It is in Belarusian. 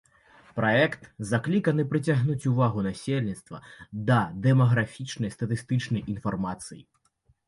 Праект закліканы прыцягнуць увагу насельніцтва да дэмаграфічнай статыстычнай інфармацыі.